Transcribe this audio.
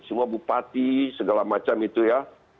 semua bupati segala macam itu ya